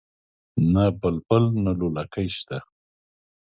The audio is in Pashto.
نه بلبل نه لولکۍ شته